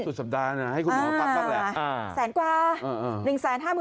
สุดสัปดาห์นะให้คุณหมอพักบ้างแหละ